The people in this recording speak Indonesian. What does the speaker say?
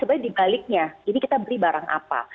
sebenarnya di baliknya ini kita beli barang apa